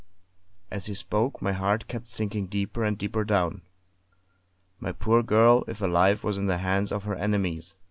As he spoke my heart kept sinking deeper and deeper down. My poor girl, if alive, was in the hands of her enemies.